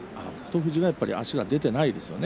富士が足が出てないですね